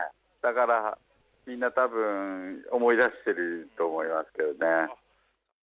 だから、みんな多分思い出していると思います。